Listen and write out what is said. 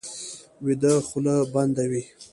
ویده خوله بنده وي